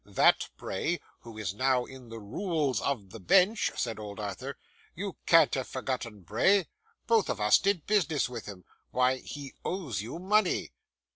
That Bray who is now in the Rules of the Bench,' said old Arthur. 'You can't have forgotten Bray. Both of us did business with him. Why, he owes you money!